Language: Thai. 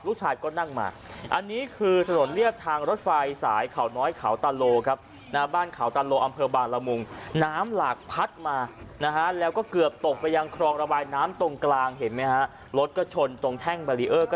ลูกชายก็นั่งมาอันนี้คือถนนเลียบทางรถไฟสายข่าวน้อยข่าวตาโลครับ